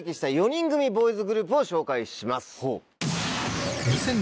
４人組ボーイズグループを紹介します。